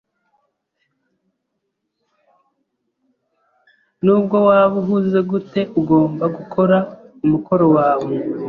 Nubwo waba uhuze gute, ugomba gukora umukoro wawe.